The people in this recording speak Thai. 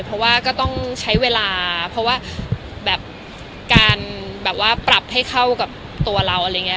เพราะว่าก็ต้องใช้เวลาเพราะว่าแบบการแบบว่าปรับให้เข้ากับตัวเราอะไรอย่างนี้